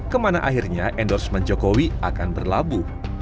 kemana akhirnya endorsement jokowi akan berlabuh